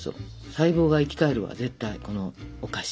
細胞が生き返るわ絶対このお菓子。